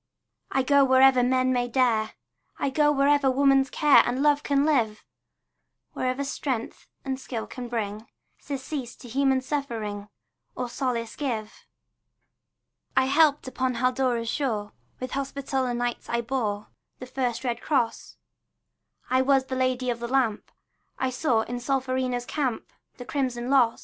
I go wherever men may dare, I go wherever woman's care And love can live, Wherever strength and skill can bring Surcease to human suffering, Or solace give. I helped upon Haldora's shore; With Hospitaller Knights I bore The first red cross; I was the Lady of the Lamp; I saw in Solferino's camp The crimson loss.